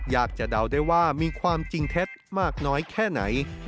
อยากจะเดาได้ว่ามีความจริงเท็จมากน้อยแค่ไหน